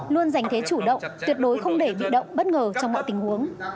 luôn dành thế chủ động tuyệt đối không để bị động bất ngờ trong mọi tình huống